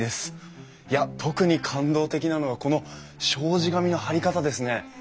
いや特に感動的なのがこの障子紙の貼り方ですね。